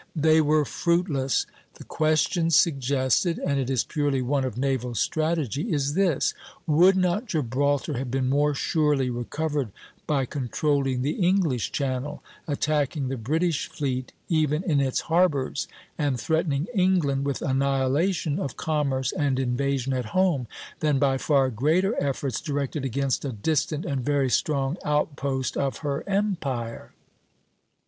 They were fruitless. The question suggested and it is purely one of naval strategy is this: Would not Gibraltar have been more surely recovered by controlling the English Channel, attacking the British fleet even in its harbors, and threatening England with annihilation of commerce and invasion at home, than by far greater efforts directed against a distant and very strong outpost of her empire?